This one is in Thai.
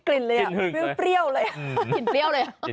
กลิ่นเปรี้ยวเลย